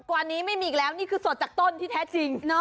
กว่านี้ไม่มีอีกแล้วนี่คือสดจากต้นที่แท้จริง